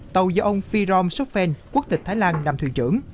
tàu do ông firom sofven quốc tịch thái lan nằm thuyền trưởng